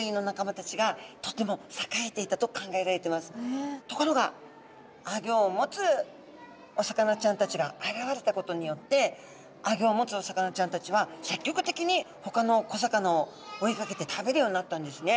昔々のところがアギョを持つお魚ちゃんたちが現れたことによってアギョを持つお魚ちゃんたちは積極的にほかの小魚を追いかけて食べるようになったんですね。